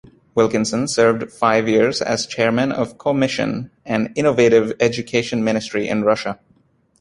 Wilkinson served five years as chairman of CoMission, an innovative education ministry in Russia.